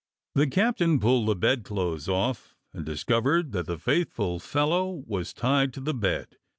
The captain pulled the bedclothes off, and discovered that the faithful fellow was tied to the bed.